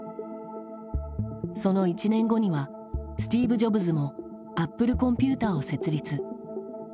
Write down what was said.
その１年後にはスティーブ・ジョブズもアップルコンピューターを設立。